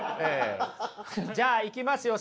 じゃあ行きますよ